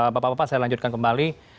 bapak bapak saya lanjutkan kembali